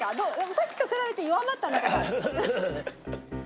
さっきと比べて弱まったなとか。